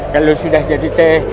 kalau sudah jadi teh